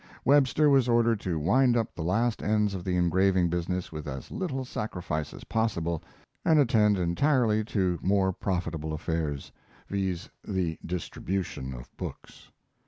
Webster was ordered to wind up the last ends of the engraving business with as little sacrifice as possible, and attend entirely to more profitable affairs viz., the distribution of books.